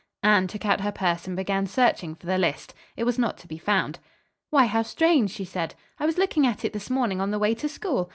Anne took out her purse and began searching for the list. It was not to be found. "Why, how strange," she said. "I was looking at it this morning on the way to school.